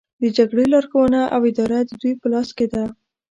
د جګړې لارښوونه او اداره د دوی په لاس کې ده